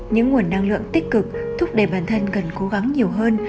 những nguồn năng lượng tích cực thúc đẩy bản thân cần cố gắng nhiều hơn